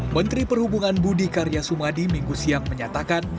menteri perhubungan budi karya sumadi minggu siang menyatakan